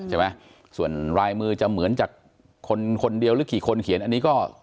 ใช่ไหมส่วนลายมือจะเหมือนจากคนคนเดียวหรือกี่คนเขียนอันนี้ก็